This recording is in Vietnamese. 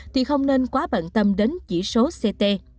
thì không nên quá bận tâm đến chỉ số ct